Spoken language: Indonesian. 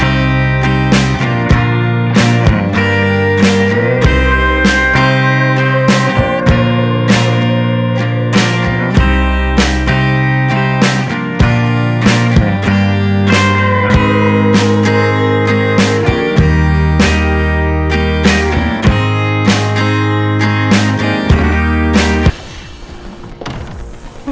aku gak mau salah paham